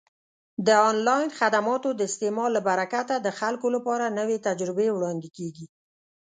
د آنلاین خدماتو د استعمال له برکته د خلکو لپاره نوې تجربې وړاندې کیږي.